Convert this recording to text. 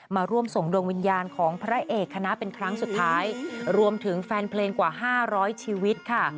มาร่วมส่งดวงวิญญาณของพระเอกคณะเป็นครั้งสุดท้ายรวมถึงแฟนเพลงกว่าห้าร้อยชีวิตค่ะ